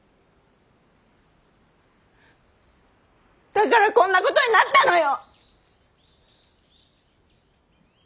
だからこんなことになったのよ！